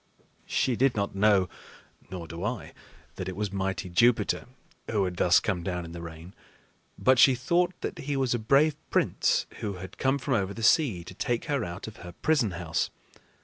She did not know nor do I that it was mighty Jupiter who had thus come down in the rain; but she thought that he was a brave prince who had come from over the sea to take her out of her prison house.